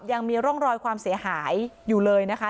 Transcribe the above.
ยังมีร่องรอยความเสียหายอยู่เลยนะคะ